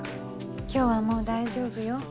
今日はもう大丈夫よ。